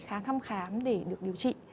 khám khám để được điều trị